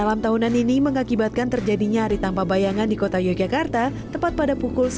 dalam tahunan ini mengakibatkan terjadinya hari tanpa bayangan di kota yogyakarta tepat pada pukul